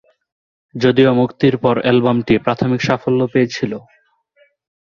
যদিও মুক্তির পর অ্যালবামটি প্রাথমিক সাফল্য পেয়েছিল।